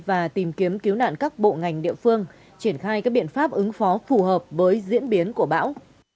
và tìm kiếm cứu nạn các bộ ngành địa phương triển khai các biện pháp ứng phó phù hợp với diễn biến của bão